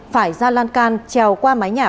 phải ra lan can treo qua mái nhà